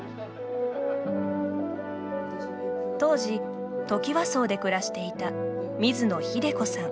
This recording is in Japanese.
当時トキワ荘で暮らしていた水野英子さん。